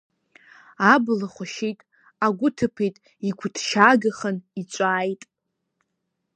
Абла хәашьит, агәы ҭыԥеит, игәыҭшьаагахан иҵәааит.